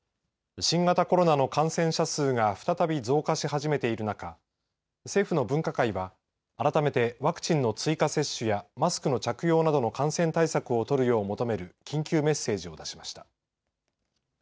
新型コロナの感染者数が再び装荷し始めているなか政府の分科会はあらためてワクチンの追加接種やマスクの着用などの感染対策を緊急メッセージを出しました。